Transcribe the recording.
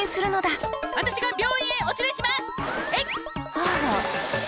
あら。